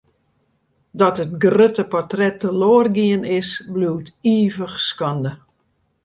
Dat it grutte portret teloar gien is, bliuwt ivich skande.